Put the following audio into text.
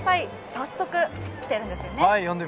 早速、来ているんですよね。